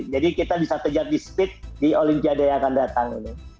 jadi kita bisa kejar di split di olimpiade yang akan datang